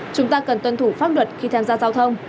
chúng ta cần tuân thủ pháp luật khi tham gia giao thông